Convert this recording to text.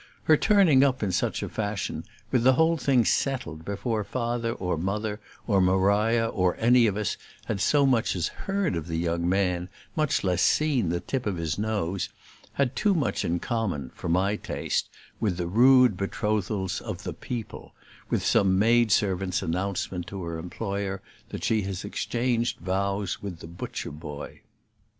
Her turning up in such a fashion with the whole thing settled before Father or Mother or Maria or any of us had so much as heard of the young man, much less seen the tip of his nose, had too much in common, for my taste, with the rude betrothals of the people, with some maid servant's announcement to her employer that she has exchanged vows with the butcher boy.